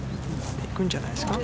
いくんじゃないですか？